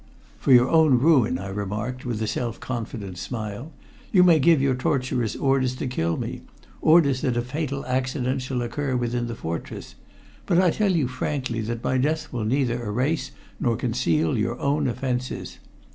"For your own ruin," I remarked with a self confident smile. "You may give your torturers orders to kill me orders that a fatal accident shall occur within the fortress but I tell you frankly that my death will neither erase nor conceal your own offenses.